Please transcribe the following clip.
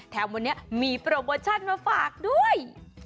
แถมวันนี้มีโปรโมชั่นมาฝากด้วย